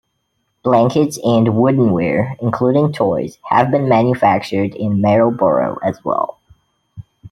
Blankets and wooden-ware, including toys, have been manufactured in Marlborough as well.